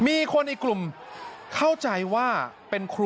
มีคนอีกกลุ่มเข้าใจว่าเป็นครู